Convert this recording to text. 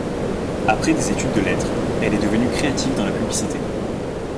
Après des études de lettres, elle est devenue créative dans la publicité.